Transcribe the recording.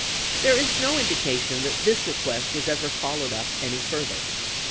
26 There is no indication that this request was ever followed up any further.